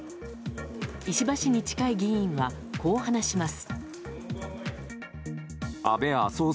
石破氏に近い議員はこう話します。